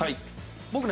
僕ね